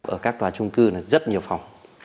ở các tòa trung cư là rất nhiều phòng